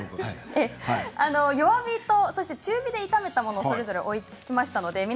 弱火と中火で炒めたものをそれぞれ用意しました。